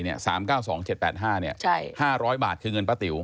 ๓๙๒๗๘๕๕๐๐บาทคือเงินป้าติ๋ว